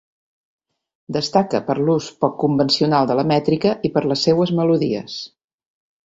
Destaca per l'ús poc convencional de la mètrica i per les seues melodies.